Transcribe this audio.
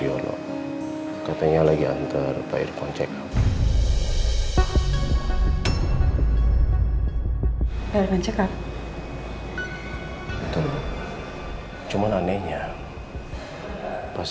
tadi om irfan bilang kalau dia lagi jenguk temannya